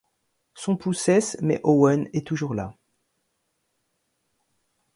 Son pouls cesse, mais Owen est toujours là.